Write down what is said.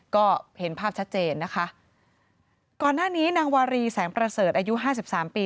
ก็เห็นภาพชัดเจนนะคะก่อนหน้านี้นางวารีแสงประเสริฐอายุห้าสิบสามปี